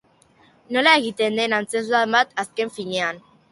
Nola egiten den antzezlan bat, azken finean.